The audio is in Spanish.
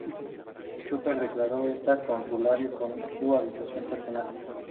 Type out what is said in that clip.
Chopper declaró este consultorio como su habitación personal.